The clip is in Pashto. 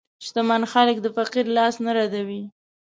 شتمن خلک د فقیر لاس نه ردوي.